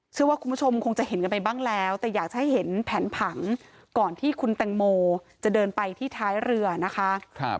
เชื่อว่าคุณผู้ชมคงจะเห็นกันไปบ้างแล้วแต่อยากจะให้เห็นแผนผังก่อนที่คุณแตงโมจะเดินไปที่ท้ายเรือนะคะ